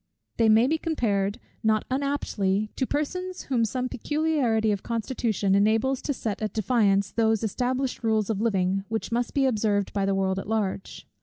They may be compared, not unaptly, to persons whom some peculiarity of constitution enables to set at defiance those established rules of living, which must be observed by the world at large.